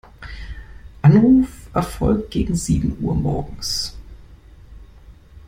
Anruf erfolgt gegen sieben Uhr morgens.